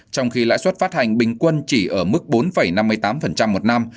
trong khi lãi suất phát hành bình quân chỉ ở mức bốn năm mươi tám một năm